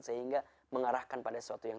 sehingga mengarahkan pada sesuatu yang